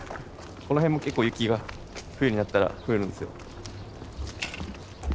この辺も結構雪が冬になったら降るんですよ。